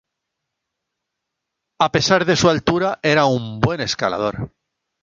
A pesar de su altura, era un buen escalador.